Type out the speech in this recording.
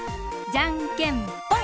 じゃんけんぽん！